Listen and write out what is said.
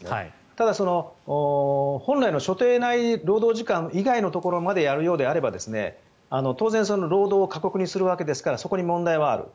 ただ、本来の所定内労働時間以外のところまでやるようであれば、当然労働を過酷にするわけですからそこに問題はある。